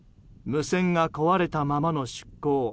無線が壊れたままの出航。